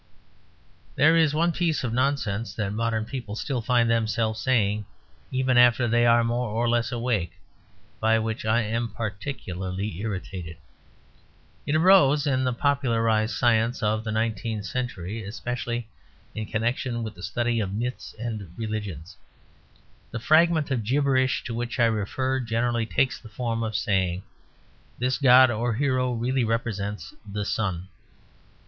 There is one piece of nonsense that modern people still find themselves saying, even after they are more or less awake, by which I am particularly irritated. It arose in the popularised science of the nineteenth century, especially in connection with the study of myths and religions. The fragment of gibberish to which I refer generally takes the form of saying "This god or hero really represents the sun."